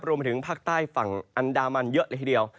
รวมไปถึงภาคใต้ฝั่งอันดามันเยอะเลยทีเดียว